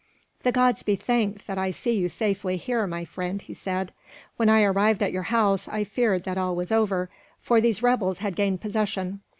"The gods be thanked that I see you safely here, my friend!" he said. "When I arrived at your house, I feared that all was over, for these rebels had gained possession.